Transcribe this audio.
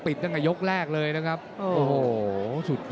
โอ้โหแดงโชว์อีกเลยเดี๋ยวดูผู้ดอลก่อน